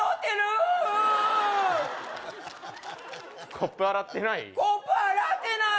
コップ洗ってない？